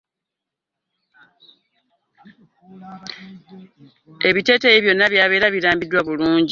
Ebiteteeyi byonna byabeera birambiddwa bulungi.